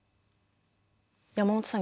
山本さん